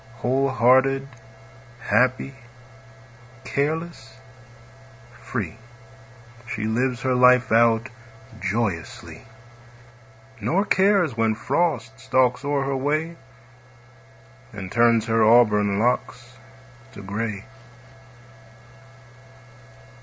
Whole hearted, happy, careless, free, She lives her life out joyously, Nor cares when Frost stalks o'er her way And turns her auburn locks to gray.